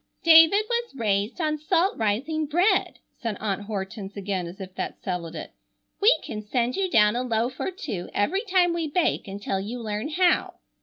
"David was raised on salt rising bread," said Aunt Hortense again as if that settled it. "We can send you down a loaf or two every time we bake until you learn how."